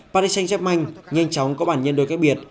paris saint jackmin nhanh chóng có bản nhân đối cách biệt